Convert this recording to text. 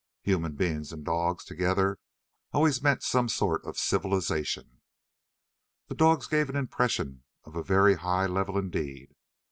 Human beings and dogs, together, always mean some sort of civilization. The dogs gave an impression of a very high level indeed.